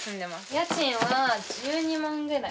家賃は１２万くらい。